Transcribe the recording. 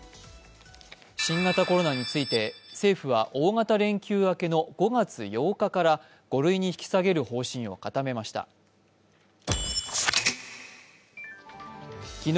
新型コロナについて政府は大型連休明けの５月８日から５類に引き下げる方針を固めました昨日